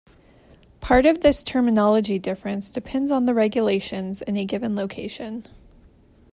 Part of this terminology difference depends on the regulations in a given location.